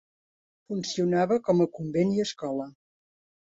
Funcionava com a convent i escola.